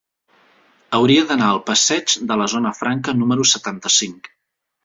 Hauria d'anar al passeig de la Zona Franca número setanta-cinc.